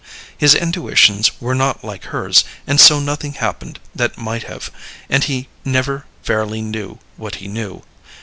His intuitions were not like hers, and so nothing happened that might have, and he never fairly knew what he knew.